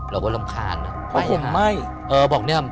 เราก็รำคาญนะ